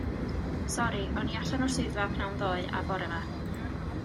Sori, o'n i allan o'r swyddfa pnawn ddoe a bore 'ma.